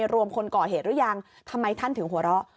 รวมคนก่อเหตุหรือยังทำไมท่านถึงหัวเราะ